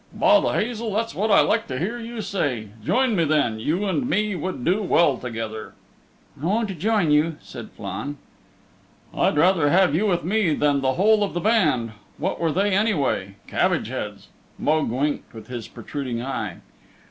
"By the Hazel! that's what I like to hear you say. Join me then. You and me would do well together." "I won't join you," said Flann. "I'd rather have you with me than the whole of the band. What were they anyway? Cabbage heads!" Mogue winked with his protruding eye.